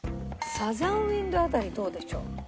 『サザン・ウインド』辺りどうでしょう？